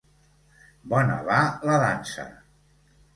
Bona va la dansa!